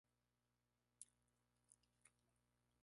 Es la madre del ícono del cine de terror Freddy Krueger.